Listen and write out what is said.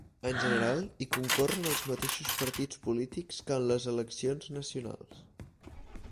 En general, hi concorren els mateixos partits polítics que en les eleccions nacionals.